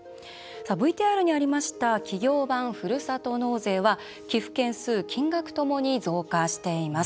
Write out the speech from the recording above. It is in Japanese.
ＶＴＲにありました企業版ふるさと納税は寄付件数、金額ともに増加しています。